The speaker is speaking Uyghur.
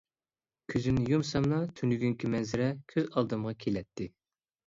كۆزۈمنى يۇمساملا تۈنۈگۈنكى مەنزىرە كۆز ئالدىمغا كېلەتتى.